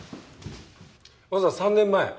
まずは３年前。